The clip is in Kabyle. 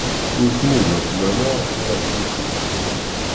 Ur tnuda fell-aneɣ, ur aɣ-tufi.